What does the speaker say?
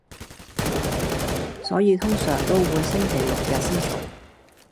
所以通常都會星期六日先做